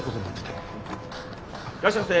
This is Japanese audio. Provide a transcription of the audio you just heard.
いらっしゃいませ。